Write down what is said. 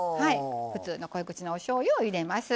普通の濃い口のおしょうゆを入れます。